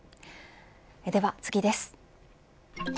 では、次です。